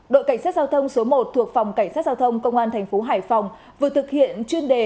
đội cảnh sát giao thông số một thuộc phòng cảnh sát giao thông công an thành phố hải phòng vừa thực hiện chuyên đề